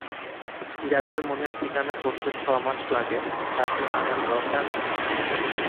যাদের মনের ঠিকানা করতে ছ-মাস লাগে, তাদের আমার দরকার নাই।